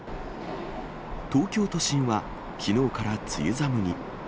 東京都心はきのうから梅雨寒に。